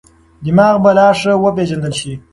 دماغ به لا ښه وپېژندل شي.